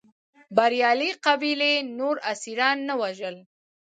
بریالۍ قبیلې نور اسیران نه وژل.